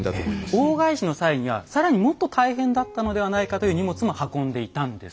大返しの際には更にもっと大変だったのではないかという荷物も運んでいたんです。